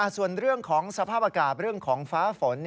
ส่วนเรื่องของสภาพอากาศเรื่องของฟ้าฝน